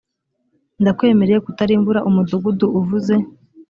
ndakwemereye kutarimbura umudugudu uvuze